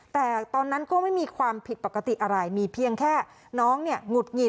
แต่ตอนนั้นก็ไม่มีความผิดปกติอะไรมีเพียงแค่น้องเนี่ยหงุดหงิด